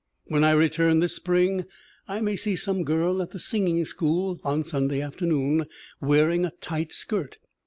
When I return this spring I may see some girl at the singing school on Sunday afternoon wearing a tight skirt.